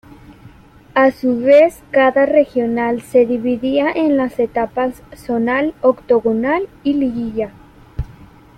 A su vez cada Regional se dividía en las etapas Zonal, Octogonal y Liguilla.